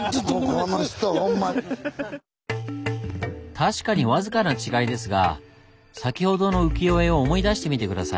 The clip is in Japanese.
確かに僅かな違いですが先ほどの浮世絵を思い出してみて下さい。